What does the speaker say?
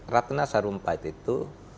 ratna sarumpat itu